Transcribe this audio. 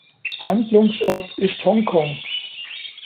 Handlungsort ist Hongkong.